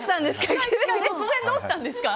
突然、どうしたんですか？